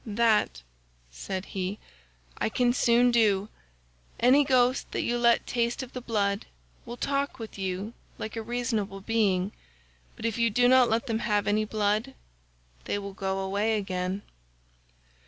"'That,' said he, 'I can soon do. Any ghost that you let taste of the blood will talk with you like a reasonable being, but if you do not let them have any blood they will go away again.